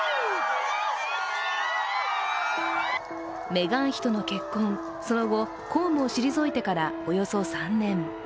メガン妃との結婚、その後公務を退いてからおよそ３年。